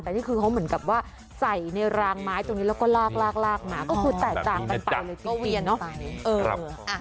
เพราะเหมือนกับว่าใส่ในรางไม้ตรงนี้แล้วก็ลากมาก็คือแตกต่างกันไปเลยจริงเนาะ